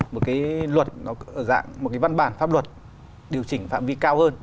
một văn bản pháp luật điều chỉnh phạm vi cao hơn